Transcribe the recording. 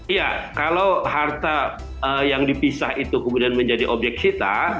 iya kalau harta yang dipisah itu kemudian menjadi objek sita